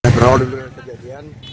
perahu diberi kejadian